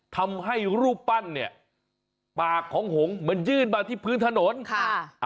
ทำให้รูปปั้นเนี่ยปากของหงษ์มันยื่นมาที่พื้นถนนค่ะ